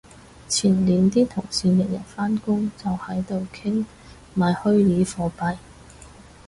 前年啲同事日日返工就喺度傾買虛擬貨幣